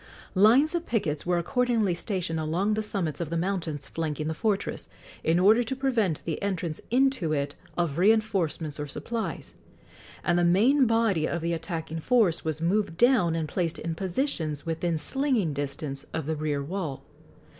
Lines of pickets were accordingly stationed along the summits of the mountains flanking the fortress, in order to prevent the entrance into it of reinforcements or supplies, and the main body of the attacking force was moved down and placed in positions within slinging distance of the rear wall.